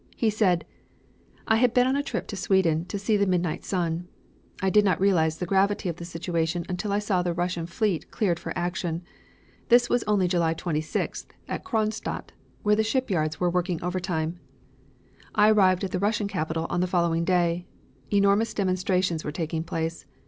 He said: "I had been on a trip to Sweden to see the midnight sun. I did not realize the gravity of the situation until I saw the Russian fleet cleared for action. This was only July 26th, at Kronstadt, where the shipyards were working overtime. "I arrived at the Russian capital on the following day. Enormous demonstrations were taking place.